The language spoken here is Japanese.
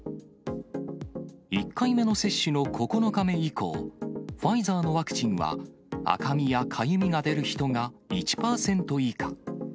１回目の接種の９日目以降、ファイザーのワクチンは、赤みやかゆみが出る人が１％以下。